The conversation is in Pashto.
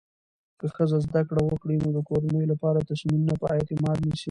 که ښځه زده کړه وکړي، نو د کورنۍ لپاره تصمیمونه په اعتماد نیسي.